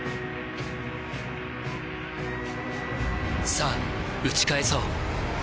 さぁ打ち返そう